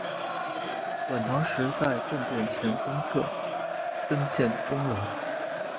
晚唐时在正殿前东侧增建钟楼。